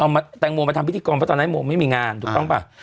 เอาแตงโมมาทำพิธีกรเพราะตอนนั้นโมไม่มีงานถูกต้องป่ะ